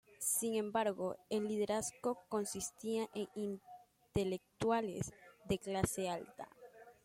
Sin embargo, el liderazgo consistía en intelectuales de clase alta.